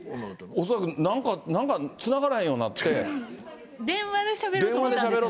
恐らくなんかつながれへんようになって。